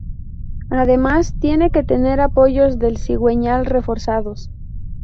Además, tiene que tener apoyos del cigüeñal reforzados.